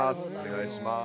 お願いします。